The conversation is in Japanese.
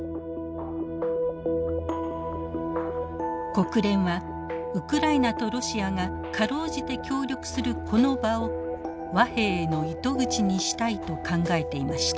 国連はウクライナとロシアが辛うじて協力するこの場を和平への糸口にしたいと考えていました。